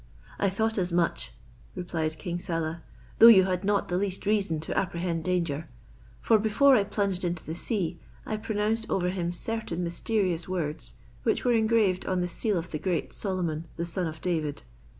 "I thought as much," replied King Saleh, "though you had not the least reason to apprehend danger; for before I plunged into the sea, I pronounced over him certain mysterious words, which were engraved on the seal of the great Solomon the son of David.